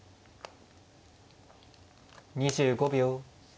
２５秒。